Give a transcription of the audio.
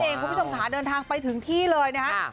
คุณผู้ชมค่ะเดินทางไปถึงที่เลยนะครับ